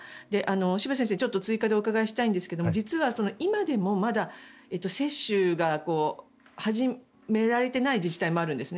渋谷先生追加でお伺いしたいんですが実は今でもまだ接種が始められていない自治体もあるんですね。